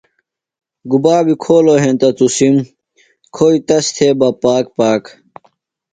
گُبا بیۡ کھولوۡ ہینتہ تُسم، کھوئیۡ تس تھےۡ بہ پاک پاک